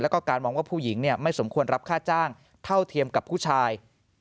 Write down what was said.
แล้วก็การมองว่าผู้หญิงไม่สมควรรับค่าจ้างเท่าเทียมกับผู้ชาย